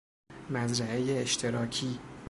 مزرعه اشتراکی